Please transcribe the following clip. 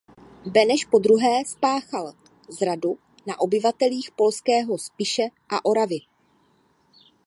Beneš podruhé spáchal zradu na obyvatelích „polského“ Spiše a Oravy.